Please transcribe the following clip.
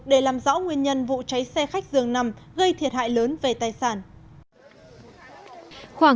để làm rõ nguyên nhân vụ cháy xe khách dường nằm gây thiệt hại lớn về tài sản